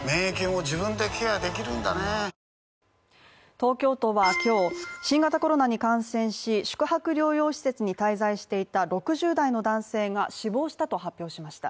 東京都は今日、新型コロナに感染し宿泊療養施設に滞在していた６０代の男性が死亡したと発表しました。